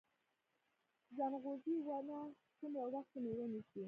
ځنغوزي ونه څومره وخت کې میوه نیسي؟